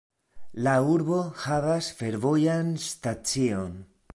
La urbo havas fervojan stacion.